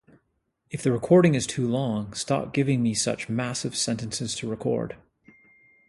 If the recording is too long, stop giving me such massive sentences to record.